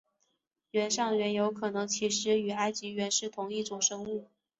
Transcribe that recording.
原上猿有可能其实与埃及猿是同一种生物。